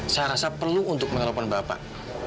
saya rasa perlu untuk menelpon bapak